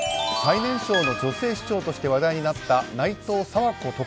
最年少の女性市長として話題になった内藤佐和子